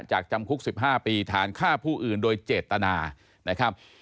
จำคุก๑๕ปีฐานฆ่าผู้อื่นโดยเจตนานะครับ